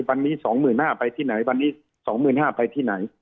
วันนี้๒๕๐๐ไปที่ไหนวันนี้๒๕๐๐ไปที่ไหน